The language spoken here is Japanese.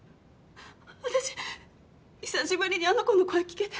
私久しぶりにあの子の声聞けて。